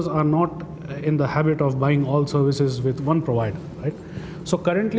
karena pelanggan tidak memiliki kegiatan membeli semua perusahaan dengan satu pembawa